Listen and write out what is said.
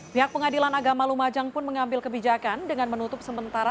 pihak pengadilan agama lumajang pun mengambil kebijakan dengan menutup sementara